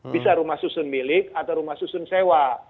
bisa rumah susun milik atau rumah susun sewa